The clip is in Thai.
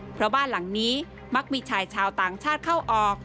เพราะบ้านหลังนี้มักมีชายชาวต่างชาติเข้าออก